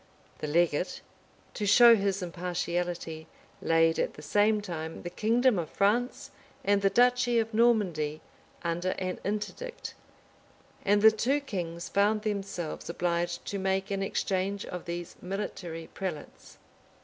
The legate, to show his impartiality, laid at the same time the kingdom of France and the duchy of Normandy under an interdict; and the two kings found themselves obliged to make an exchange of these military prelates.